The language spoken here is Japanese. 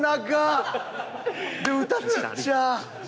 で歌ちっちゃ！